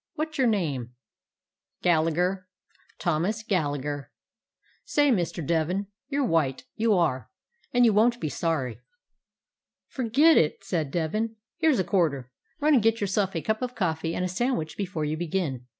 What 's your name?" "Gallagher. Thomas Gallagher. Say, Mr. Devin, you 're white, you are, and you won't be sorry." "Forget it," said Devin. "Here's a quar ter. Run and get yourself a cup of coffee and a sandwich before you begin.